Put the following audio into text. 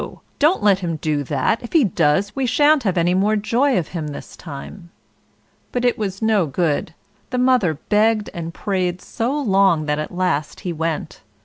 don't let him do that; if he does, we shan't have any more joy of him this time." But it was no good, the mother begged and prayed so long that at last he went.